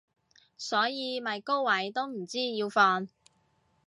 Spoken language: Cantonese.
所以咪高位都唔知要放